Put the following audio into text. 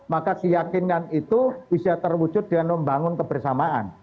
maka keyakinan itu bisa terwujud dengan membangun kebersamaan